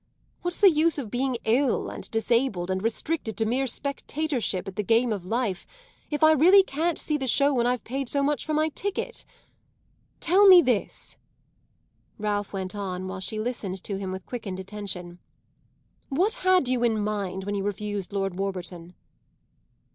What's the use of being ill and disabled and restricted to mere spectatorship at the game of life if I really can't see the show when I've paid so much for my ticket? Tell me this," Ralph went on while she listened to him with quickened attention. "What had you in mind when you refused Lord Warburton?"